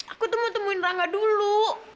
aku tuh mau temuin rangga dulu